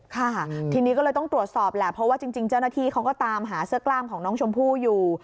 ค่ะทีนี้ก็เลยต้องตรวจสอบแหละเพราะว่าจริงเจ้าหน้าที่เขาก็ตามหาเสื้อกล้ามของน้องชมพู่อยู่